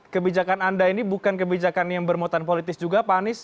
kebijakan anda ini bukan kebijakan yang bermuatan politis juga pak anies